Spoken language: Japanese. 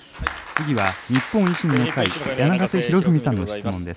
次は日本維新の会、柳ヶ瀬裕文さんの質問です。